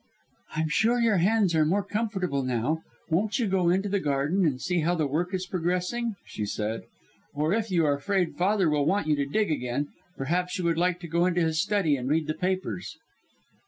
"I'm sure your hands are more comfortable now. Won't you go into the garden and see how the work is progressing?" she said. "Or if you are afraid Father will want you to dig again, perhaps you would like to go into his study and read the papers."